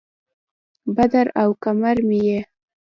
بدر او قمر مې یې